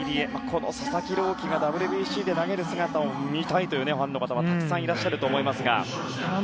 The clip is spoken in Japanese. この佐々木朗希がＷＢＣで投げる姿を見たいというファンの方もたくさんいらっしゃると思います。